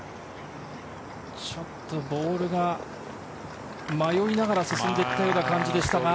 ちょっとボールが迷いながら進んでいったような感じでした。